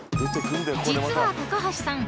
［実は高橋さん。